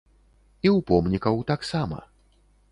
І ў помнікаў таксама.